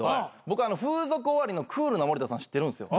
僕風俗終わりのクールな森田さんを知ってるんですよ。